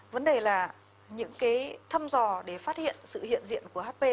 vấn đề là những cái thăm dò để phát hiện sự hiện diện của hp